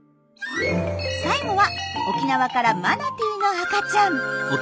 最後は沖縄からマナティーの赤ちゃん。